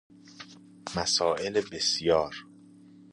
مسایل بسیار